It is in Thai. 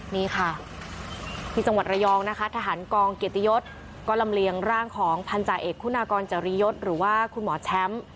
นี่ค่ะที่จังหวัดระยองนะคะทหารกองเกียรติยศก็ลำเลียงร่างของพันธาเอกคุณากรจริยศหรือว่าคุณหมอแชมป์